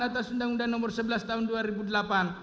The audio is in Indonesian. atas undang undang nomor sebelas tahun dua ribu delapan